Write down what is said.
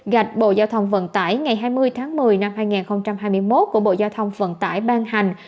gạch bộ giao thông vận tải ngày hai mươi tháng một mươi năm hai nghìn hai mươi một của bộ giao thông vận tải ban hành